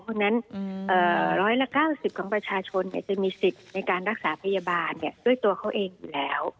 เพราะฉะนั้นร้อยละ๙๐ของประชาชนมีสิทธิ์สิทธิ์รักษาพยาบาลด้วยตัวเขาเองแล้ว